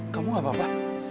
kamu gak apa apa